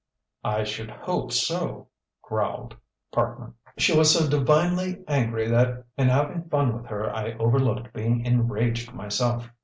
"I should hope so!" growled Parkman. "She was so divinely angry that in having fun with her I overlooked being enraged myself.